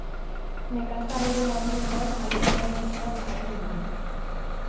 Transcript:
Nekazal eremu handietan animalia txikiak jaten ditu.